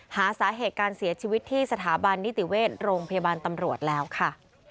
หาสาเหตุการเสียชีวิตที่สถาบันนิติเวชโรงพยาบาลตำรวจแล้วค่ะ